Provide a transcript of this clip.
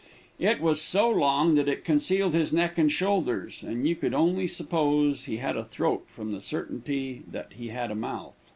It was so long that it concealed his neck and shoulders, and you could only suppose he had a throat from the certainty that he had a mouth.